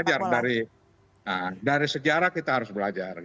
iya kita harus belajar dari sejarah kita harus belajar gitu